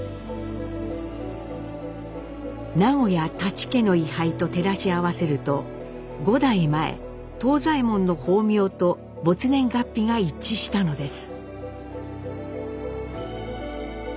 名古屋舘家の位牌と照らし合わせると５代前藤左ヱ門の法名と没年月日が一致したのです。